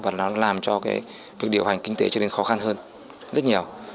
và nó làm cho cái cuộc điều hành kinh tế trở nên khó khăn hơn rất nhiều